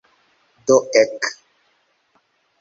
Do ek!